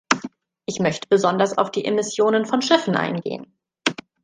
Ich möchte besonders auf die Emissionen von Schiffen eingehen.